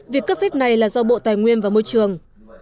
việc cấp phép này là do bộ tài nguyên và môi trường